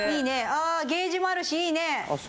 あケージもあるしいいねあっ